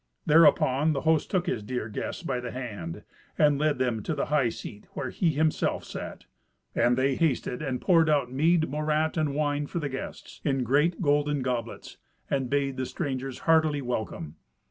Thereupon the host took his dear guests by the hand, and led them to the high seat where he himself sat. And they hasted and poured out mead, morat, and wine, for the guests, in great golden goblets, and bade the strangers heartily welcome.